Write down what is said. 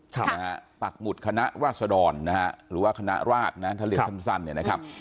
นะฮะปักหมุดคณะราชดรนะฮะหรือว่าคณะราชนะถ้าเรียกสั้นสั้นเนี่ยนะครับ